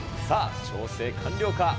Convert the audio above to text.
さあ、調整完了か。